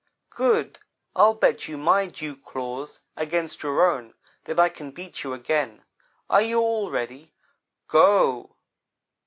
"'Good. I'll bet you my dew claws against your own, that I can beat you again. Are you all ready? Go!'